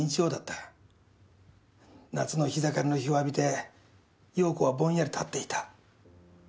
夏の日盛りの日を浴びて瑶子はぼんやり立っていた」